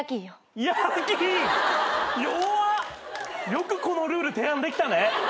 よくこのルール提案できたね。